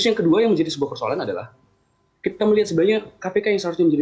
yang kedua yang menjadi sebuah persoalan adalah kita melihat sebenarnya kpk yang seharusnya menjadi